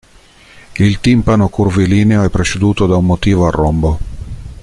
Il timpano curvilineo è preceduto da un motivo a rombo.